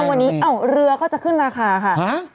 วันนี้เรือก็จะขึ้นราคาค่ะ